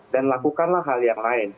dan lakukanlah hal yang lain